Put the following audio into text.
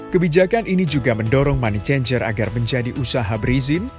kebijakan ini juga mendorong money changer agar menjadi usaha berizin